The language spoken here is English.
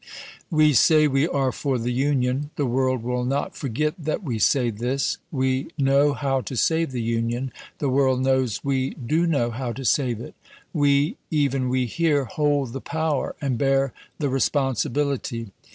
We say we are for the Union. The world will not forget that we say this. We know how to save the Union. The world knows we do know how to save it. We — even we here — hold the power, and bear the responsibility.